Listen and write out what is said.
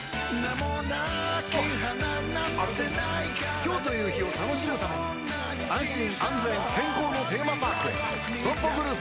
今日という日を楽しむために安心安全健康のテーマパークへＳＯＭＰＯグループ